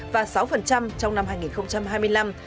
và sáu trong năm hai nghìn hai mươi năm